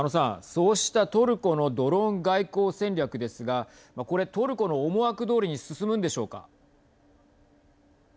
そうしたトルコのドローン外交戦略ですがこれ、トルコの思惑どおりに進むんでしょうか。